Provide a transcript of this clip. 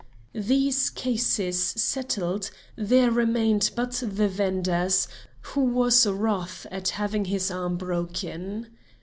These cases settled, there remained but the vender's, who was wroth at having his arm broken.